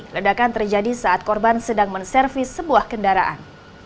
ledakan terjadi saat korban sedang menservis sebuah kendaraan